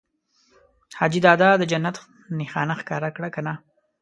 حاجي دادا د جنت نښانه ښکاره کړه که نه؟